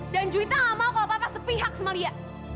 dan juwita gak mau kalau papa sepihak sama lia